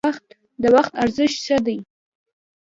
د وخت ارزښت څه دی؟